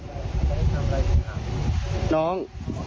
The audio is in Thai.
สวัสดีครับน้อง